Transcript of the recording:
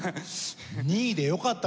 ２位でよかったじゃん。